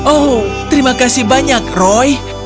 oh terima kasih banyak roy